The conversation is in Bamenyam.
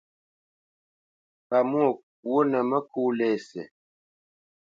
Pamwô kwô nǝ mǝkó lésî.